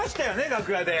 楽屋で。